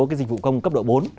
cái dịch vụ công cấp độ bốn